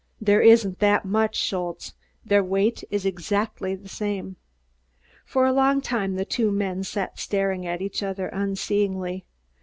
"There isn't that much, Schultze. Their weight is exactly the same." For a long time the two men sat staring at each other unseeingly.